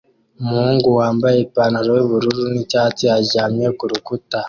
Umuhungu wambaye ipantaro yubururu nicyatsi aryamye kurukuta